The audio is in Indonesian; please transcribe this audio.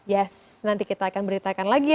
yes nanti kita akan beritakan lagi ya